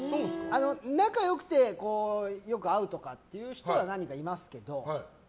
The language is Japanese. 仲良くてよく会うとかっていう人は何人かいますけど。